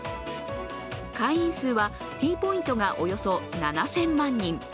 会員数はＴポイントがおよそ７０００万人